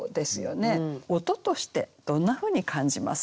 音としてどんなふうに感じますか？